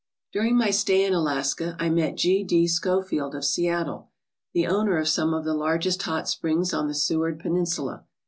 " During my stay in Alaska I met G. D. Schofield of Seattle, the owner of some of the largest hot springs on the Seward Peninsula.